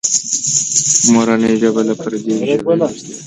مورنۍ ژبه له پردۍ ژبې نږدې ده.